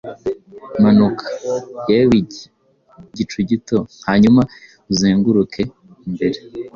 Manuka, yewe Igicu gito, hanyuma uzenguruke imbere